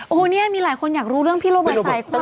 โอ้โหเนี่ยมีหลายคนอยากรู้เรื่องพี่โรเบิร์ตสายคน